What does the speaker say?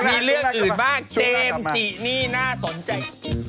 มีเรื่องอื่นบ้างเจมส์จินี่น่าสนใจ